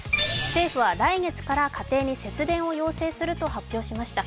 政府は来月から家庭に節電を要請すると発表しました。